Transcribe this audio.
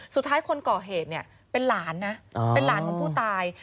คนก่อเหตุเนี่ยเป็นหลานนะเป็นหลานของผู้ตาย